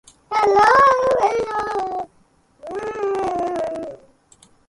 The basic instrumentarium of the band consists of acoustic guitar, bass and drums.